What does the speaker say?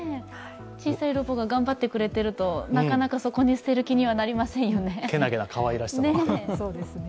小さいロボが頑張ってくれてると、なかなかそこに捨てるわけにいかないですね。